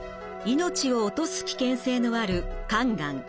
命を落とす危険性のある肝がん。